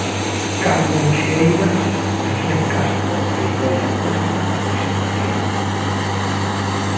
Carmen Fieiras, Efrén Castro e Idoia Cuesta na presentación.